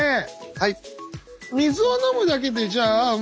はい。